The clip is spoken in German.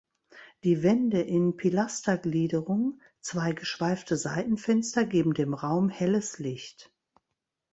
Die Wände in Pilastergliederung; zwei geschweifte Seitenfenster geben dem Raum helles Licht.